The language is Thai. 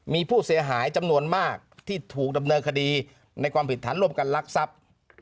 มีผู้เสียหายจำนวนมากที่ถูกดำเนินคดีในความผิดฐานร่วมกันลักทรัพย์